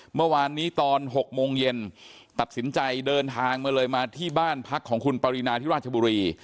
เมื่อวานนี้ตอน๖โมงเย็นตัดสินใจเดินทางมาเลยมาที่บ้านพักของคุณปรินาที่ราชบุรี